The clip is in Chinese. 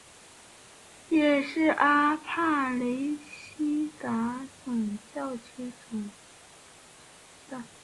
也是阿帕雷西达总教区总主教。